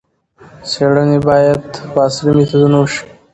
څېړنې باید په عصري میتودونو وشي.